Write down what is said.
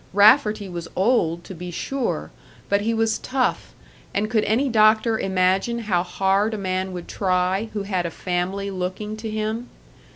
Rafferty was old, to be sure; but he was tough and could any doctor imagine how hard a man would try who had a family looking to him?